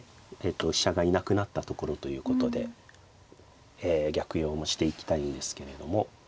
飛車がいなくなったところということで逆用もしていきたいんですけれども。